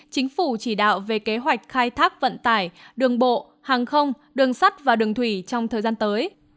chính phủ chỉ đạo về kế hoạch khai thác vận tải đường bộ hàng không đường sắt và đường thủy trong thời gian tới